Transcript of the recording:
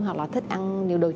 hoặc là thích ăn nhiều đồ chua